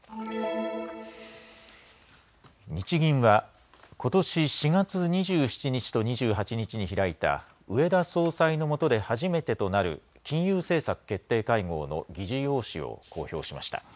日銀はことし４月２７日と２８日に開いた植田総裁のもとで初めてとなる金融政策決定会合の議事要旨を公表しました。